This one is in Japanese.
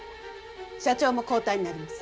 社長も交代になります。